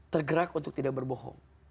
tergerak untuk tidak berbohong